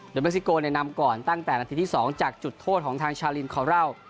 โดยเม็กซิโกนำก่อนตั้งแต่นาทีที่๒จากจุดโทษของทางชาลินคอเล่า